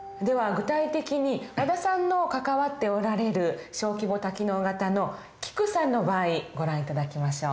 具体的に和田さんの関わっておられる小規模多機能型のキクさんの場合ご覧頂きましょう。